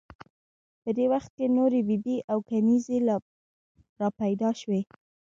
په دې وخت کې نورې بي بي او کنیزې را پیدا شوې.